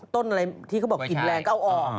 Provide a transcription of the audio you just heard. ต้นอะไรที่เขาบอกกลิ่นแรงก็เอาออก